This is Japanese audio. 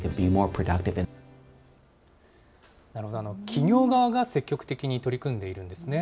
企業側が積極的に取り組んでいるんですね。